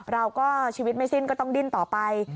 เราก็ชีวิตไม่สิ้นก็ต้องดิ้นต่อไป